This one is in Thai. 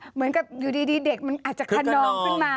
เหมือนกับอยู่ดีเด็กมันอาจจะขนองขึ้นมา